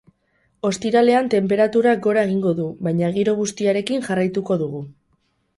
Ostiralean tenperaturak gora egingo du, baina giro bustiarekin jarraituko dugu.